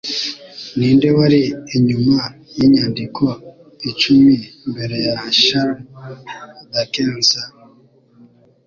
Ninde wari inyuma yinyandiko icumi mbere ya Charles Dickens?